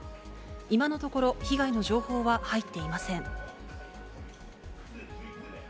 今のところ、被害の情報は入っていません。